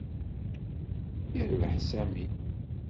Yerbeḥ Sami.